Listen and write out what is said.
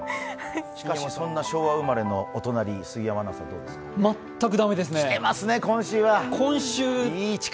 しかし、そんな昭和生まれのお隣、杉山アナウンサーどうですか？